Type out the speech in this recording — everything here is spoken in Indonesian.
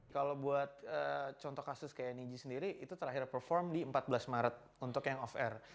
kalau buat contoh kasus kayak niji sendiri itu terakhir perform di empat belas maret untuk yang off air